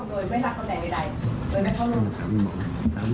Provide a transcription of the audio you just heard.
โดยไม่รักตัวใดโดยไม่เท่ารุก